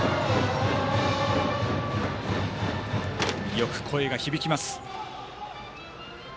よく声が響きます。